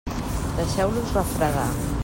Deixeu-los refredar.